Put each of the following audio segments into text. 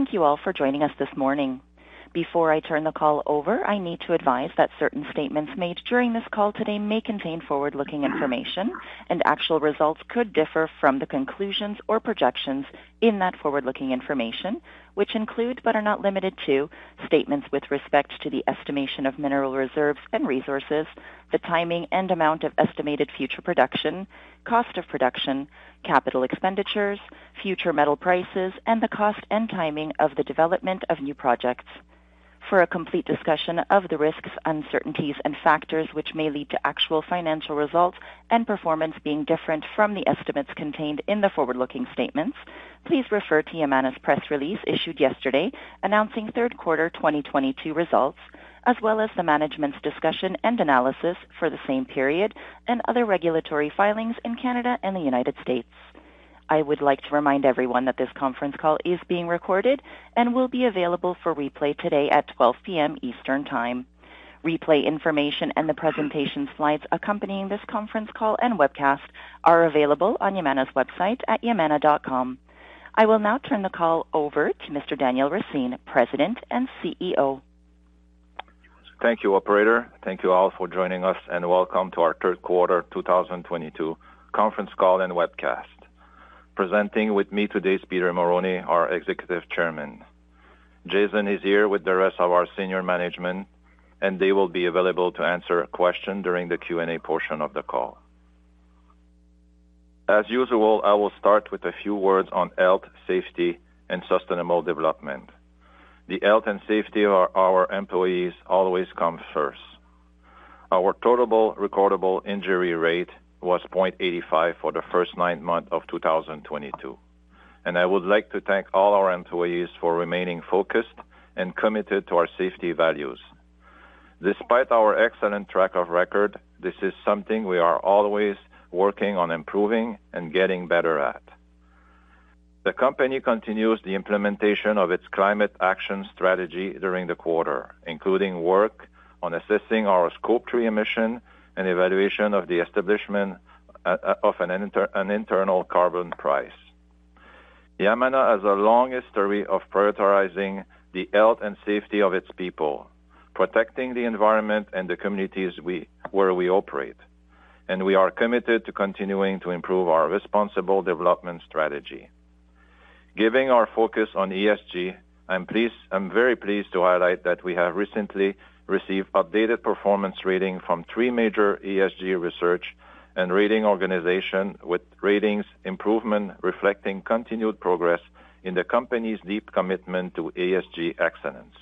Thank you all for joining us this morning. Before I turn the call over, I need to advise that certain statements made during this call today may contain forward-looking information, and actual results could differ from the conclusions or projections in that forward-looking information, which include, but are not limited to, statements with respect to the estimation of mineral reserves and resources, the timing and amount of estimated future production, cost of production, capital expenditures, future metal prices, and the cost and timing of the development of new projects. For a complete discussion of the risks, uncertainties and factors which may lead to actual financial results and performance being different from the estimates contained in the forward-looking statements, please refer to Yamana's press release issued yesterday announcing third quarter 2022 results, as well as the management's discussion and analysis for the same period and other regulatory filings in Canada and the United States. I would like to remind everyone that this conference call is being recorded and will be available for replay today at 12:00 P.M. Eastern Time. Replay information and the presentation slides accompanying this conference call and webcast are available on Yamana's website at yamana.com. I will now turn the call over to Mr. Daniel Racine, President and CEO. Thank you, operator. Thank you all for joining us, and welcome to our third quarter 2022 conference call and webcast. Presenting with me today is Peter Marrone, our Executive Chairman. Jason is here with the rest of our senior management, and they will be available to answer a question during the Q&A portion of the call. As usual, I will start with a few words on health, safety and sustainable development. The health and safety of our employees always come first. Our Total Recordable Injury Rate was 0.85 for the first nine months of 2022, and I would like to thank all our employees for remaining focused and committed to our safety values. Despite our excellent track record, this is something we are always working on improving and getting better at. The company continues the implementation of its climate action strategy during the quarter, including work on assessing our Scope Three emission and evaluation of the establishment of an internal carbon price. Yamana has a long history of prioritizing the health and safety of its people, protecting the environment and the communities where we operate, and we are committed to continuing to improve our responsible development strategy. Given our focus on ESG, I'm very pleased to highlight that we have recently received updated performance rating from three major ESG research and rating organization with ratings improvement reflecting continued progress in the company's deep commitment to ESG excellence.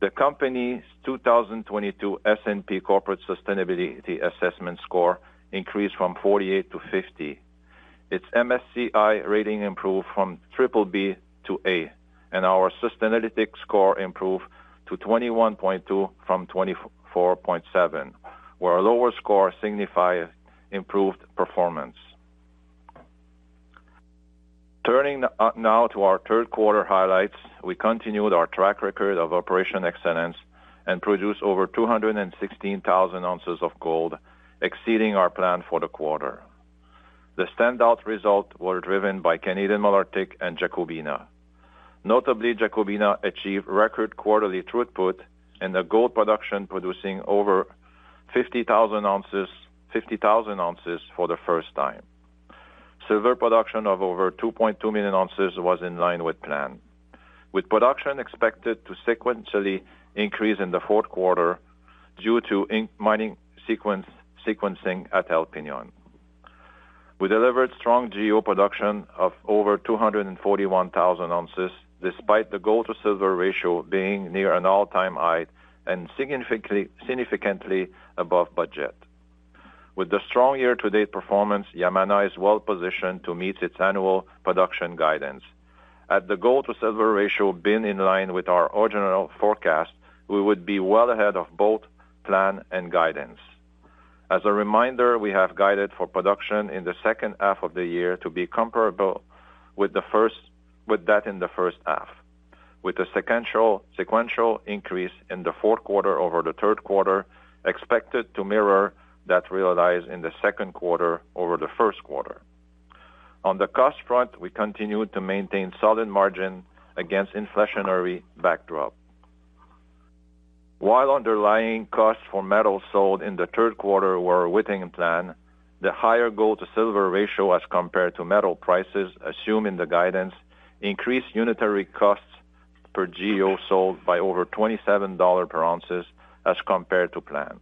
The company's 2022 S&P Corporate Sustainability Assessment score increased from 48 to 50. Its MSCI rating improved from BBB to A, and our Sustainalytics score improved to 21.2 from 24.7, where a lower score signify improved performance. Turning now to our third quarter highlights, we continued our track record of operational excellence and produced over 216,000 oz of gold, exceeding our plan for the quarter. The standout results were driven by Canadian Malartic and Jacobina. Notably, Jacobina achieved record quarterly throughput and gold production of over 50,000 oz for the first time. Silver production of over 2.2 million ounces was in line with plan, with production expected to sequentially increase in the fourth quarter due to sequencing at El Peñón. We delivered strong GEO production of over 241,000 oz, despite the gold to silver ratio being near an all-time high and significantly above budget. With the strong year-to-date performance, Yamana is well positioned to meet its annual production guidance. Had the gold to silver ratio been in line with our original forecast, we would be well ahead of both plan and guidance. As a reminder, we have guided for production in the second half of the year to be comparable with that in the first half, with a sequential increase in the fourth quarter over the third quarter expected to mirror that realized in the second quarter over the first quarter. On the cost front, we continued to maintain solid margin against inflationary backdrop. While underlying costs for metal sold in the third quarter were within plan, the higher gold to silver ratio as compared to metal prices, assuming the guidance, increased unitary costs per GEO sold by over $27 per ounces as compared to plan.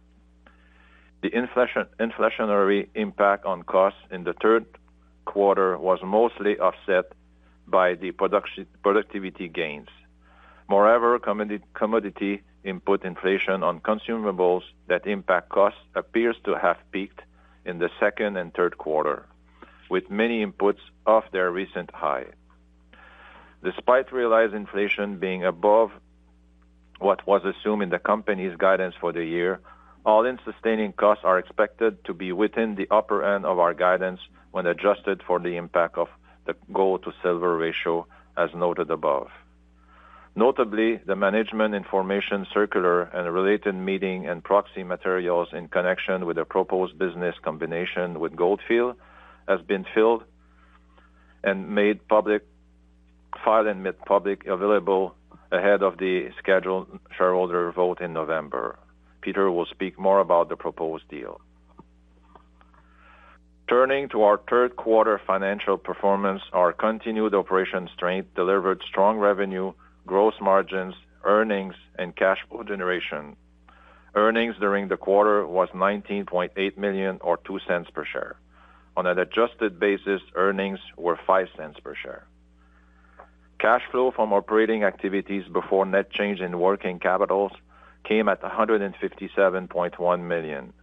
The inflationary impact on costs in the third quarter was mostly offset by the productivity gains. Moreover, commodity input inflation on consumables that impact costs appears to have peaked in the second and third quarter, with many inputs off their recent high. Despite realized inflation being above what was assumed in the company's guidance for the year, all-in sustaining costs are expected to be within the upper end of our guidance when adjusted for the impact of the gold to silver ratio, as noted above. Notably, the management information circular and related meeting and proxy materials in connection with the proposed business combination with Gold Fields has been filed and made publicly available ahead of the scheduled shareholder vote in November. Peter will speak more about the proposed deal. Turning to our third quarter financial performance, our continued operation strength delivered strong revenue, gross margins, earnings and cash flow generation. Earnings during the quarter was $19.8 million or $0.02 per share. On an adjusted basis, earnings were $0.05 per share. Cash flow from operating activities before net change in working capitals came at $157.1 million.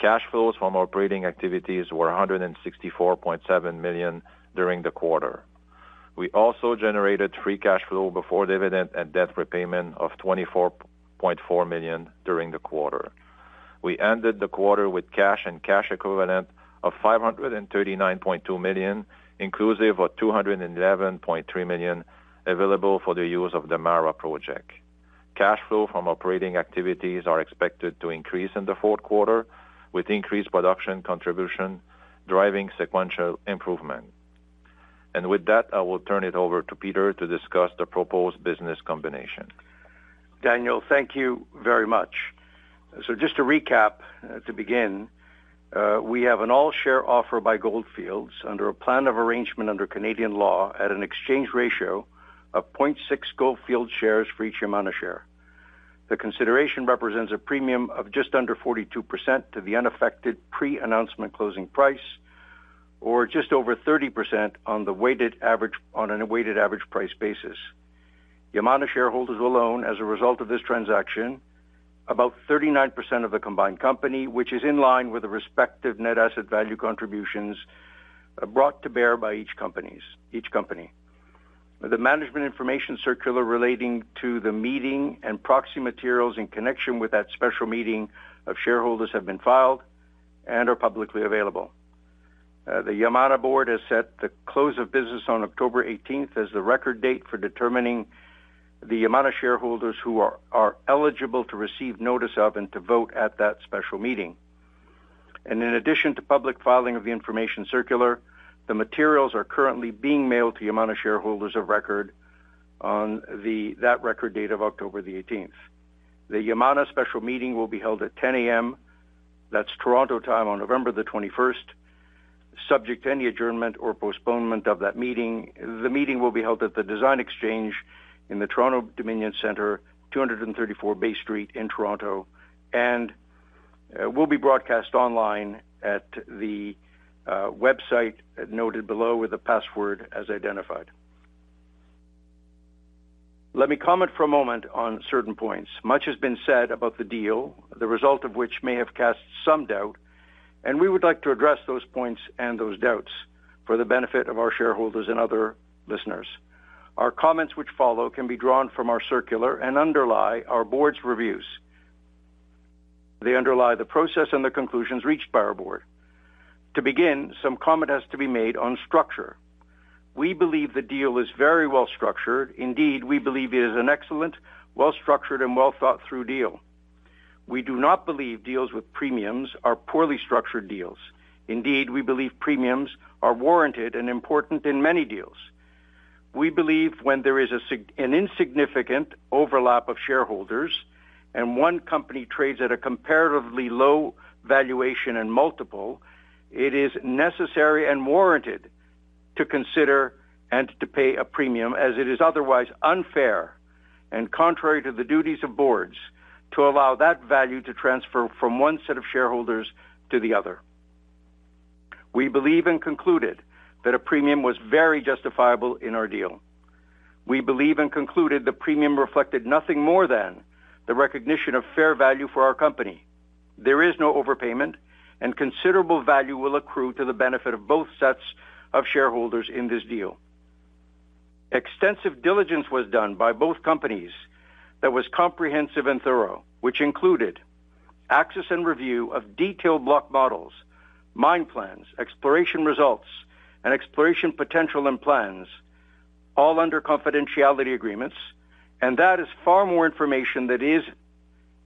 Cash flows from operating activities were $164.7 million during the quarter. We also generated free cash flow before dividend and debt repayment of $24.4 million during the quarter. We ended the quarter with cash and cash equivalent of $539.2 million, inclusive of $211.3 million available for the use of the MARA project. Cash flow from operating activities are expected to increase in the fourth quarter, with increased production contribution driving sequential improvement. With that, I will turn it over to Peter to discuss the proposed business combination. Daniel, thank you very much. Just to recap, to begin, we have an all share offer by Gold Fields under a plan of arrangement under Canadian law at an exchange ratio of 0.6 Gold Fields shares for each Yamana share. The consideration represents a premium of just under 42% to the unaffected pre-announcement closing price, or just over 30% on a weighted average price basis. Yamana shareholders alone, as a result of this transaction, about 39% of the combined company, which is in line with the respective net asset value contributions brought to bear by each company. The management information circular relating to the meeting and proxy materials in connection with that special meeting of shareholders have been filed and are publicly available. The Yamana board has set the close of business on October 18th as the record date for determining the Yamana shareholders who are eligible to receive notice of and to vote at that special meeting. In addition to public filing of the information circular, the materials are currently being mailed to Yamana shareholders of record on the, that record date of October 18th. The Yamana special meeting will be held at 10:00 A.M., that's Toronto time, on November the 21st. Subject to any adjournment or postponement of that meeting, the meeting will be held at the Design Exchange in the Toronto-Dominion Centre, 234 Bay Street in Toronto, and will be broadcast online at the website noted below with the password as identified. Let me comment for a moment on certain points. Much has been said about the deal, the result of which may have cast some doubt, and we would like to address those points and those doubts for the benefit of our shareholders and other listeners. Our comments which follow can be drawn from our circular and underlie our board's reviews. They underlie the process and the conclusions reached by our board. To begin, some comment has to be made on structure. We believe the deal is very well structured. Indeed, we believe it is an excellent, well-structured and well-thought-through deal. We do not believe deals with premiums are poorly structured deals. Indeed, we believe premiums are warranted and important in many deals. We believe when there is an insignificant overlap of shareholders and one company trades at a comparatively low valuation and multiple, it is necessary and warranted to consider and to pay a premium as it is otherwise unfair and contrary to the duties of boards to allow that value to transfer from one set of shareholders to the other. We believe and concluded that a premium was very justifiable in our deal. We believe and concluded the premium reflected nothing more than the recognition of fair value for our company. There is no overpayment and considerable value will accrue to the benefit of both sets of shareholders in this deal. Extensive diligence was done by both companies that was comprehensive and thorough, which included access and review of detailed block models, mine plans, exploration results and exploration potential and plans, all under confidentiality agreements. That is far more information than is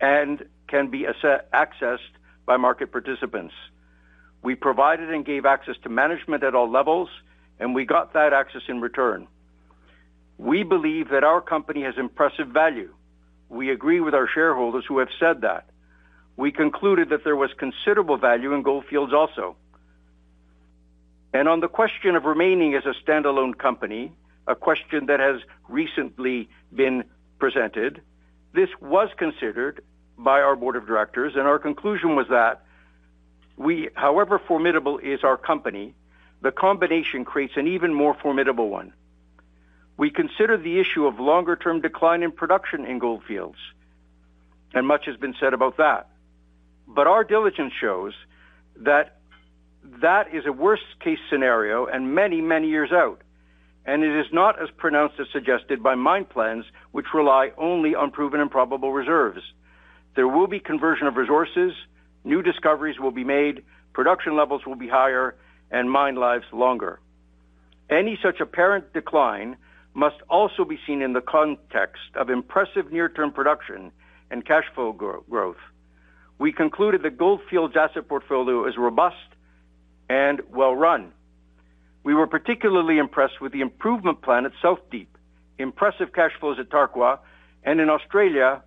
and can be accessed by market participants. We provided and gave access to management at all levels, and we got that access in return. We believe that our company has impressive value. We agree with our shareholders who have said that. We concluded that there was considerable value in Gold Fields also. On the question of remaining as a standalone company, a question that has recently been presented, this was considered by our board of directors and our conclusion was that we, however formidable is our company, the combination creates an even more formidable one. We consider the issue of longer term decline in production in Gold Fields, and much has been said about that. Our diligence shows that that is a worst case scenario and many, many years out, and it is not as pronounced as suggested by mine plans which rely only on proven and probable reserves. There will be conversion of resources, new discoveries will be made, production levels will be higher and mine lives longer. Any such apparent decline must also be seen in the context of impressive near-term production and cash flow growth. We concluded that Gold Fields asset portfolio is robust and well run. We were particularly impressed with the improvement plan at South Deep, impressive cash flows at Tarkwa and in Australia,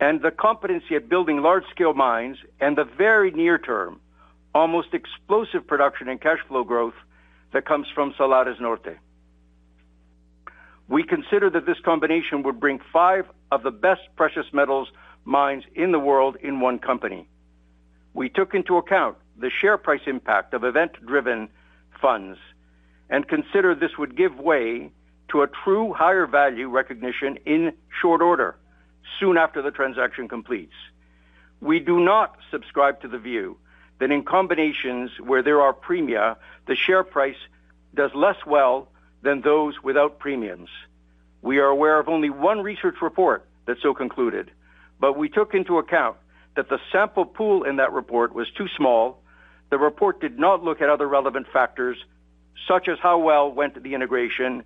and the competency of building large scale mines and the very near term, almost explosive production and cash flow growth that comes from Salares Norte. We consider that this combination would bring five of the best precious metals mines in the world in one company. We took into account the share price impact of event driven funds and consider this would give way to a true higher value recognition in short order soon after the transaction completes. We do not subscribe to the view that in combinations where there are premia, the share price does less well than those without premiums. We are aware of only one research report that so concluded, but we took into account that the sample pool in that report was too small, the report did not look at other relevant factors such as how well went the integration,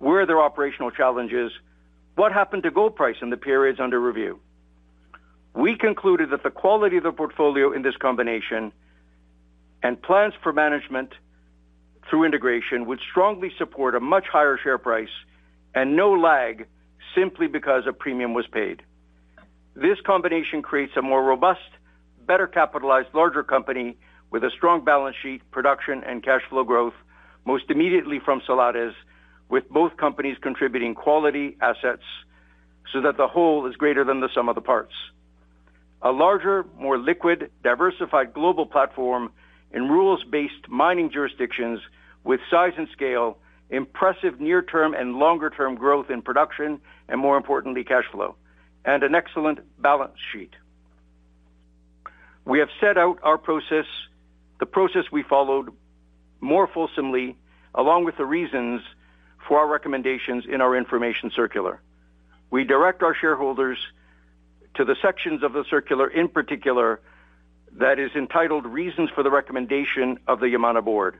were there operational challenges. What happened to gold price in the periods under review. We concluded that the quality of the portfolio in this combination and plans for management through integration would strongly support a much higher share price and no lag simply because a premium was paid. This combination creates a more robust, better capitalized, larger company with a strong balance sheet, production and cash flow growth, most immediately from Salares, with both companies contributing quality assets so that the whole is greater than the sum of the parts. A larger, more liquid, diversified global platform in rules based mining jurisdictions with size and scale, impressive near-term and longer term growth in production and more importantly, cash flow and an excellent balance sheet. We have set out our process, the process we followed more fulsomely, along with the reasons for our recommendations in our information circular. We direct our shareholders to the sections of the circular in particular that is entitled Reasons for the Recommendation of the Yamana Board.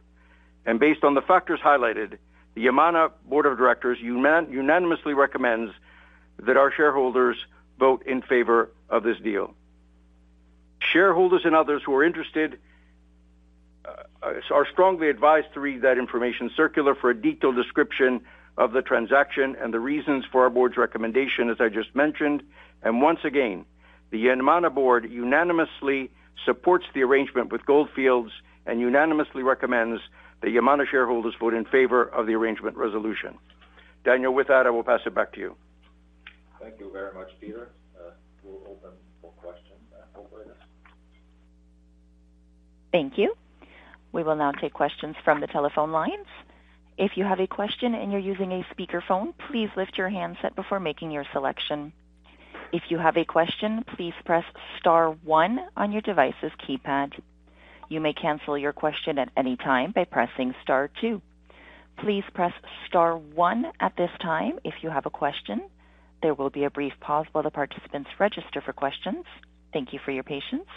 Based on the factors highlighted, the Yamana Board of Directors unanimously recommends that our shareholders vote in favor of this deal. Shareholders and others who are interested are strongly advised to read that information circular for a detailed description of the transaction and the reasons for our board's recommendation, as I just mentioned. Once again, the Yamana Board unanimously supports the arrangement with Gold Fields and unanimously recommends that Yamana shareholders vote in favor of the arrangement resolution. Daniel, with that, I will pass it back to you. Thank you very much, Peter. We'll open for questions now, operator. Thank you. We will now take questions from the telephone lines. If you have a question and you're using a speakerphone, please lift your handset before making your selection. If you have a question, please press star one on your device's keypad. You may cancel your question at any time by pressing star two. Please press star one at this time if you have a question. There will be a brief pause while the participants register for questions. Thank you for your patience.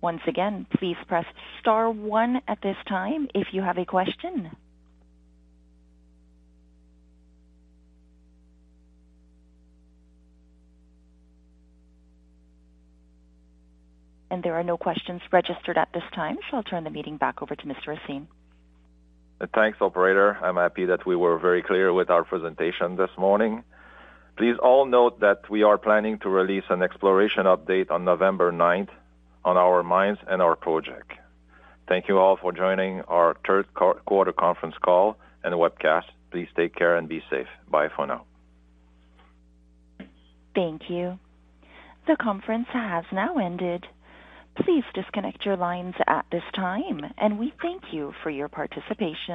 Once again, please press star one at this time if you have a question. There are no questions registered at this time. I'll turn the meeting back over to Mr. Racine. Thanks, operator. I'm happy that we were very clear with our presentation this morning. Please all note that we are planning to release an exploration update on November 9th on our mines and our project. Thank you all for joining our third quarter conference call and the webcast. Please take care and be safe. Bye for now. Thank you. The conference has now ended. Please disconnect your lines at this time, and we thank you for your participation.